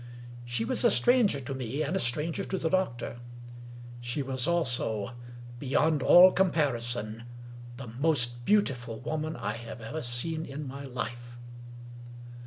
She was a stranger to me, and a stranger to the doctor. She was also, beyond all com parison, the most beautiful woman I have ever seen in my life.